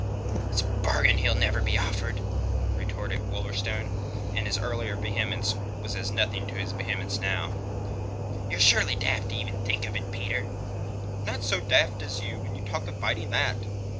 "It's a bargain he'll never be offered," retorted Wolverstone, and his earlier vehemence was as nothing to his vehemence now. "Ye're surely daft even to think of it, Peter!" "Not so daft as you when you talk of fighting that."